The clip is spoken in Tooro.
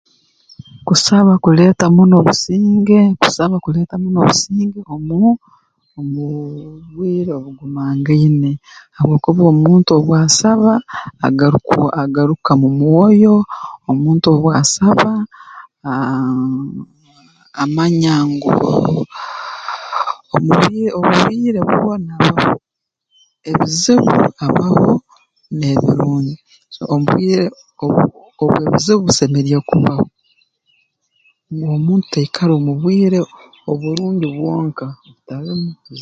Kusaba kuleeta muno obusinge kusaba kuleeta muno obusinge omu omuu bwire obugumangaine habwokuba omuntu obu asaba agarukwa agaruka mu mwoyo omuntu obu asaba aaah amanya nguu omu obwi omu obwire bwona ebizibu habaho n'ebirungi so omu bwire obw obw'ebizibu busemeriire kubaho ngu omuntu taikara omu bwire oburungi bwonka talimu bizibu